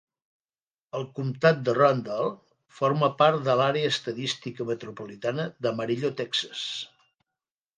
El comtat de Randall forma part de l'àrea estadística metropolitana d'Amarillo, Texas.